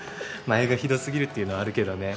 前がひどすぎるっていうのはあるけどね。